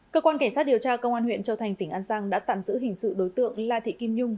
cơ quan cảnh sát điều tra công an huyện châu thành tỉnh an giang đã tạm giữ hình sự đối tượng la thị kim nhung